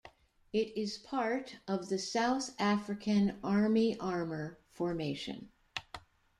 It is part of the South African Army Armour Formation.